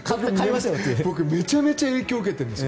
僕、めちゃめちゃ影響を受けてるんです。